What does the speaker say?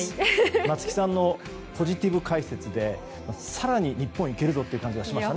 松木さんのポジティブ解説で更に、日本いけるぞという感じがしますね。